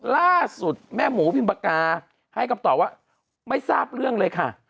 ล่าสุดแม่หมูพิมปากาให้คำตอบว่าไม่ทราบเรื่องเลยค่ะ